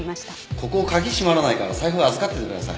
ここ鍵しまらないから財布預かっててください。